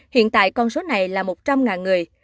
hiện tại con số này là một trăm linh người